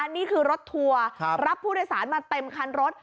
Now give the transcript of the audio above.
นี่คือรถทัวร์รับผู้โดยสารมาเต็มคันรถ